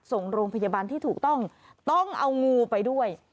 ส่งโรงพยาบาลที่ถูกต้องต้องเอางูไปด้วย